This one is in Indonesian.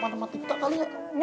pernah tuh memecuri tapi bisa